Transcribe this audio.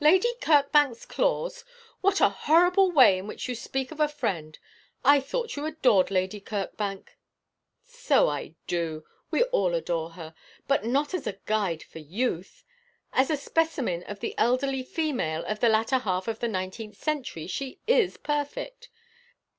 'Lady Kirkbank's claws! What a horrible way in which to speak of a friend. I thought you adored Lady Kirkbank.' 'So I do. We all adore her, but not as a guide for youth. As a specimen of the elderly female of the latter half of the nineteenth century, she is perfect.